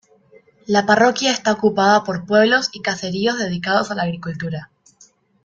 La parroquia está ocupada por pueblos y caseríos dedicados a la agricultura.